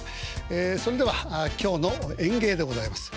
ええそれでは今日の演芸でございます。